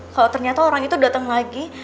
kalau ternyata orang itu datang lagi